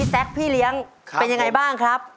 แซ็กพี่เลี้ยงเป็นยังไงบ้างครับ